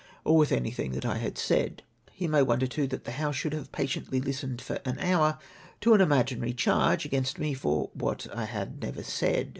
or with anything that I had said ? He may wonder too that the House should have patiently listened for an hour to an imaginary charge against me far ivhat I had never said!